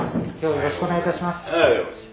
あよろしくお願いします。